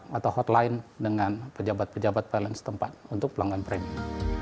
jadi mereka bisa memiliki kontak atau hotline dengan pejabat pejabat balance tempat untuk pelanggan premium